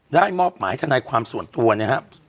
มอบหมายทนายความส่วนตัวนะครับ